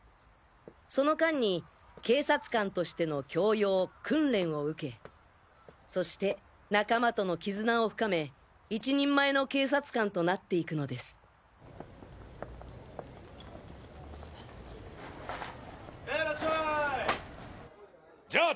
その間に警察官としての教養訓練を受けそして仲間との絆を深め１人前の警察官となっていくのですヘイラッシャイ。